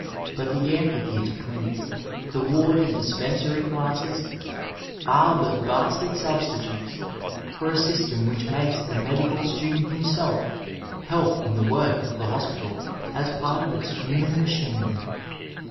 But the amphitheatre cUnic, the ward and dispensary classes, are but bastard substitutes for a system which makes the medical student himself help in the work of the hospital as part of its human machinery.